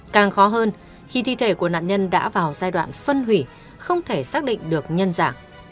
càng khó hơn khi thi thể của nạn nhân đã vào giai đoạn phân hủy không thể xác định được nhân dạng